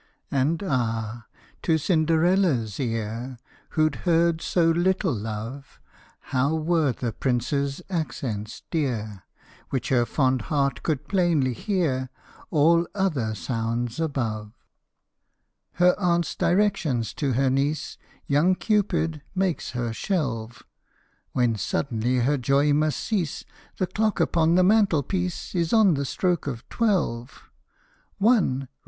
And, ah! to Cinderella's ear, Who 'd heard so little love, How were the Prince's accents dear, Which her fond heart could plainly hear All other sounds above ! Her aunt's directions to her niece Young Cupid makes her shelve ; When suddenly her joy must cease The clock upon the mantelpiece Is on the stroke of twelve. One